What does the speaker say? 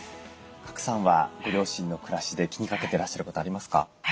賀来さんはご両親の暮らしで気にかけてらっしゃることありますか？